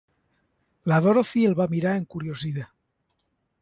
La Dorothy el va mirar encuriosida.